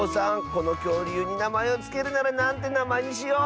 このきょうりゅうになまえをつけるならなんてなまえにしよう？